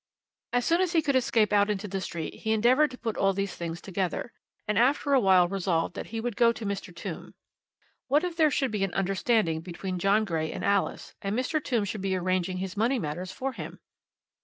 As soon as he could escape out into the street he endeavoured to put all these things together, and after a while resolved that he would go to Mr. Tombe. What if there should be an understanding between John Grey and Alice, and Mr. Tombe should be arranging his money matters for him!